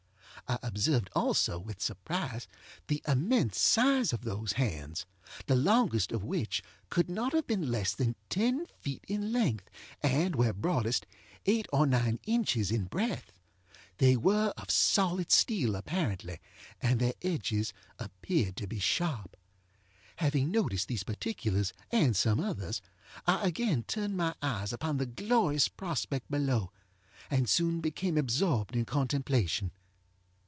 I observed also, with surprise, the immense size of these hands, the longest of which could not have been less than ten feet in length, and, where broadest, eight or nine inches in breadth. They were of solid steel apparently, and their edges appeared to be sharp. Having noticed these particulars, and some others, I again turned my eyes upon the glorious prospect below, and soon became absorbed in contemplation.